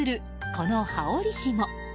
この羽織ひも。